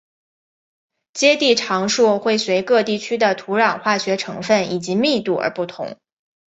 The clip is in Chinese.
接地常数会随各地区的土壤化学成份以及密度而不同。